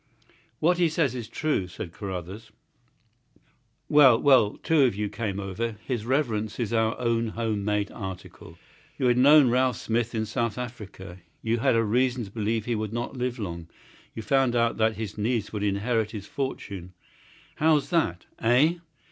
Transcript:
"What he says is true," said Carruthers. "Well, well, two of you came over. His reverence is our own home made article. You had known Ralph Smith in South Africa. You had reason to believe he would not live long. You found out that his niece would inherit his fortune. How's that—eh?"